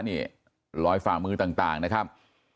นี่รอยฝ่ามือต่างนะครับ